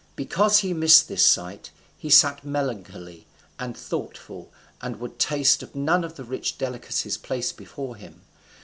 Because he missed this sight, he sat melancholy and thoughtful, and would taste of none of the rich delicacies placed before him.